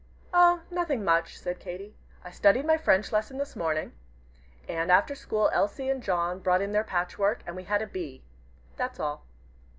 "Oh, nothing, much," said Katy. "I studied my French lesson this morning. And after school, Elsie and John brought in their patchwork, and we had a 'Bee.' That's all."